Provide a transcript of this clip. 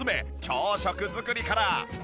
朝食作りから。